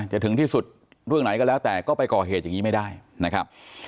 ถึงที่สุดเรื่องไหนก็แล้วแต่ก็ไปก่อเหตุอย่างนี้ไม่ได้นะครับ